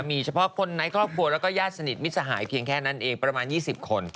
มีเฉพาะคนในครอบครัวแล้วก็ญาติสนิทมิตรสหายเพียงแค่นั้นเองประมาณ๒๐คน